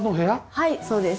はいそうです。